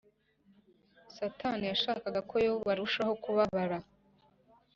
Satani yashakaga ko Yobu arushaho kubabara